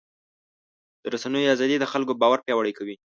د رسنیو ازادي د خلکو باور پیاوړی کوي.